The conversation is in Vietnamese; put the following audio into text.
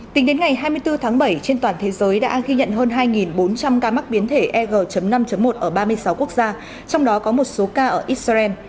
tính đến ngày hai mươi bốn tháng bảy trên toàn thế giới đã ghi nhận hơn hai bốn trăm linh ca mắc biến thể eg năm một ở ba mươi sáu quốc gia trong đó có một số ca ở israel